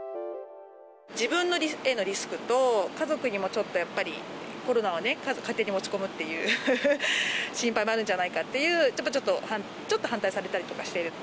自分へのリスクと、家族にもちょっとやっぱり、コロナをね、家庭に持ち込むっていう心配もあるんじゃないかっていう、ちょっと反対されたりとかしてる。